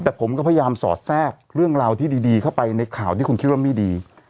แต่ผมก็พยายามสอดแทรกเรื่องราวที่ดีเข้าไปในข่าวที่คุณคิดว่าไม่ดี